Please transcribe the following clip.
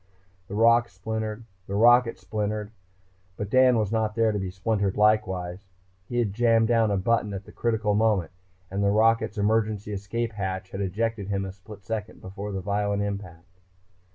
The rock splintered. The rocket splintered. But Dan was not there to be splintered likewise. He had jammed down a button, at the critical moment, and the rocket's emergency escape hatch had ejected him a split second before the violent impact.